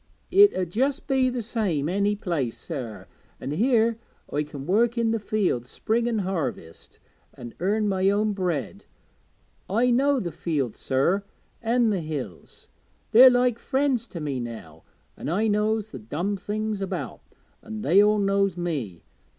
'It 'ud just be the same any other place, sir, an' here I can work i' the fields, spring and harvest, an' earn my own bread. I know the fields, sir, an' the hills they's like friends to me now, an' I knows the dumb things about, an' they all knows me.